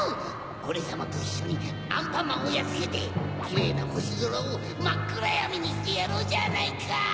オレさまといっしょにアンパンマンをやっつけてキレイなほしぞらをまっくらやみにしてやろうじゃないか！